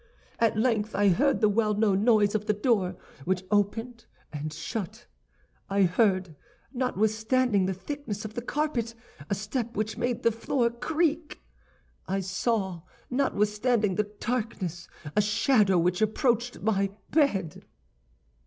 "At length I heard the well known noise of the door, which opened and shut; I heard, notwithstanding the thickness of the carpet, a step which made the floor creak; I saw, notwithstanding the darkness, a shadow which approached my bed."